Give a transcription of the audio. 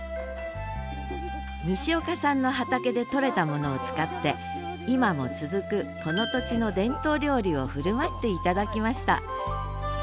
西岡さんの畑で採れたものを使って今も続くこの土地の伝統料理を振る舞って頂きました